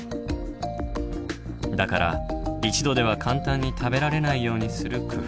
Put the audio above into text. だから一度では簡単に食べられないようにする工夫。